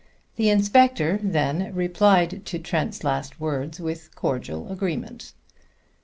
The inspector, then, replied to Trent's last words with cordial agreement.